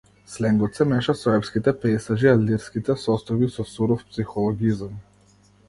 Сленгот се меша со епските пејзажи, а лирските состојби со суров психологизам.